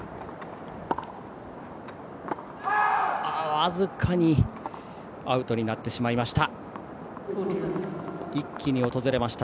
僅かにアウトになってしまいました。